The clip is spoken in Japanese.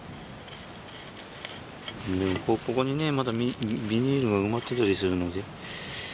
ここにねまだビニールが埋まってたりするので。